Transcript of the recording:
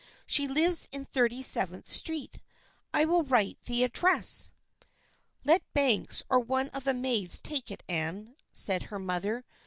She lives in Thirty seventh Street. I will write the address." " Let Banks or one of the maids take it, Anne," said her mother.